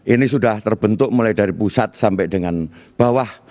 ini sudah terbentuk mulai dari pusat sampai dengan bawah